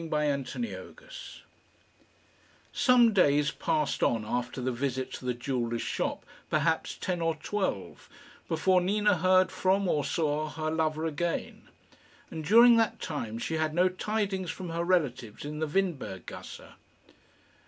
CHAPTER X Some days passed on after the visit to the jeweller's shop perhaps ten or twelve before Nina heard from or saw her lover again; and during that time she had no tidings from her relatives in the Windberg gasse.